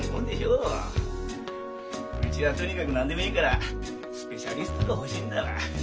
うちはとにかく何でもいいからスペシャリストが欲しいんだわ。